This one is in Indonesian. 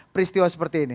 peristiwa seperti ini